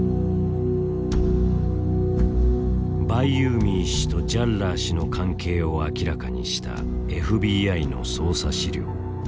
バイユーミー氏とジャッラー氏の関係を明らかにしたＦＢＩの捜査資料。